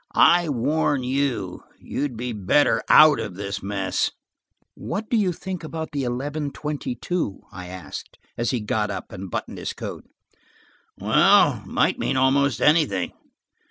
I warn you–you'd be better out of this mess." "What do you think about the eleven twenty two?" I asked as he got up and buttoned his coat. "Well, it might mean almost anything.